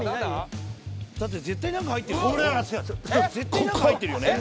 だって絶対何か入ってるよ。